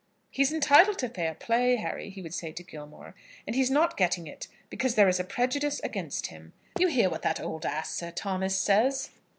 "He's entitled to fair play, Harry," he would say to Gilmore, "and he is not getting it, because there is a prejudice against him. You hear what that old ass, Sir Thomas, says."